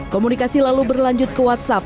komunikasi lalu berlanjut ke whatsapp